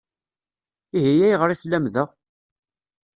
Ihi ayɣer i tellam da?